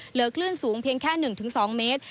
เหลือคลื่นสูงเพียงแค่๑๒เมตร